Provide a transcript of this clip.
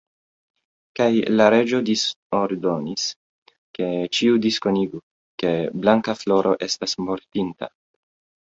Kaj la reĝo disordonis, ke ĉiu diskonigu, ke Blankafloro estas mortinta.